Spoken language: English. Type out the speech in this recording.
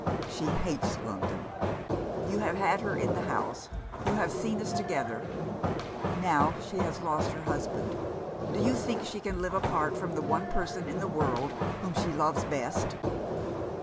"She hates London! You have had her in the house; you have seen us together. Now she has lost her husband, do you think she can live apart from the one person in the world whom she loves best?"